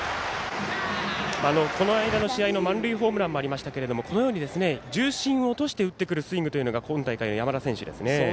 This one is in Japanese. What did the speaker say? この間の試合の満塁ホームランもありましたが重心を落として打ってくるスイングというのが今大会の山田選手ですね。